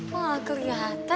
gak keliatan ya